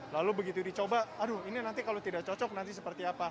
lalu begitu dicoba aduh ini nanti kalau tidak cocok nanti seperti apa